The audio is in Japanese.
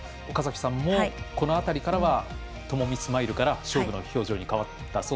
岡崎さんもこの辺りからは朋美スマイルから勝負の表情に変わった。